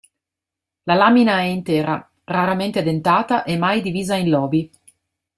La lamina è intera, raramente dentata e mai divisa in lobi.